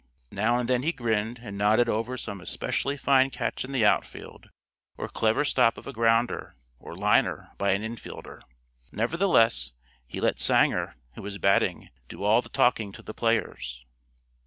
Now and then he grinned and nodded over some especially fine catch in the outfield or clever stop of a grounder or liner by an infielder; nevertheless, he let Sanger, who was batting, do all the talking to the players.